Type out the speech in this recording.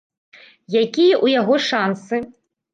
Якія ў яго шансы?